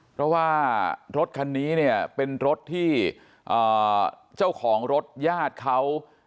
เพราะว่ารถคันนี้เนี่ยเป็นรถที่เจ้าของรถญาติเขา